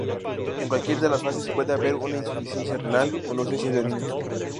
En cualquiera de las fases puede haber una insuficiencia renal, con ausencia de orina.